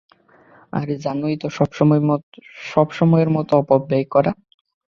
আর জানোই তো, সবসময়ের মতো অপব্যয় করা।